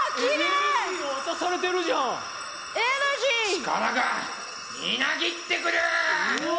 力がみなぎってくる！